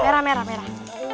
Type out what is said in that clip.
merah merah merah